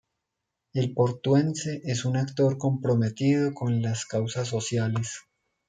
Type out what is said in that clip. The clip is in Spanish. El portuense es un actor comprometido con las causas sociales.